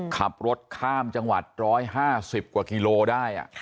ขับรถข้ามจังหวัด๑๕๐กว่ากิโลได้